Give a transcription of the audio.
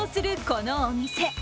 このお店。